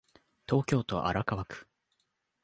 東京都荒川区